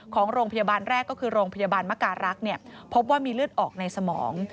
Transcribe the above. ของโรงพยาบาลแรกก็คือโรงพยาบาลมการรักษ์พบว่ามีเลือดออกในสมอง